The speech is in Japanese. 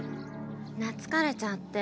なつかれちゃって。